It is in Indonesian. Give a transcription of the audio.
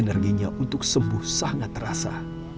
energinya untuk sembuh sangat terasa